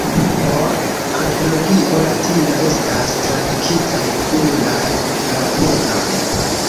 Por Antologio Latina estas tradukitaj pluraj fragmentoj.